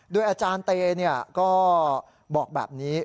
โดยอาจารย์เตก็บอกแบบนี้